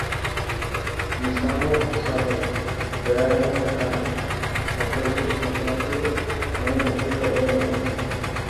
মিছা হওক, সঁচা হওক, দয়াৰামৰ এটা বাতৰি নোপোৱাকৈ মই একো ক'ব নোৱাৰোঁ।